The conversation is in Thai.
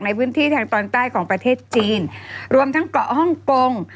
ในพื้นที่ทางตอนใต้ของประเทศจีนรวมทั้งเกาะฮ่องกง